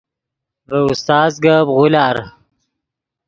ڤے استاز گپ غولار